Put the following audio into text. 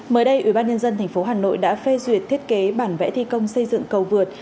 mới đây ủy ban nhân dân tp hà nội đã phê duyệt thiết kế bản vẽ thi công xây dựng cầu vượt